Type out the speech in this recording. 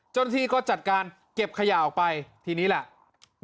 จ้านที่ก็จัดการเก็บขยะไปทีนี้แหละ